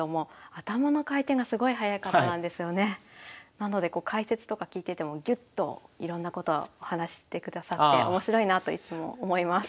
なので解説とか聞いててもギュッといろんなことをお話ししてくださって面白いなといつも思います。